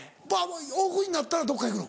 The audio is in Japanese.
オフになったらどっか行くの？